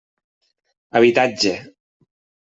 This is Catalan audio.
Habitatge.